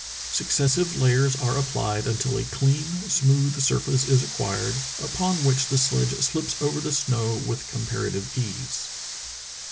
Successive layers are applied until a clean, smooth surface is acquired, upon which the sledge slips over the snow with comparative ease."